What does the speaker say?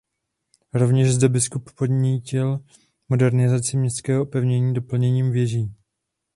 Rovněž zde biskup podnítil modernizaci městského opevnění doplněním věží.